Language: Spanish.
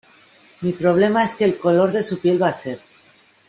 mi problema es que el color de su piel va a ser